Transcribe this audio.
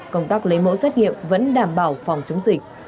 công tác lấy mẫu xét nghiệm vẫn đảm bảo phòng chống dịch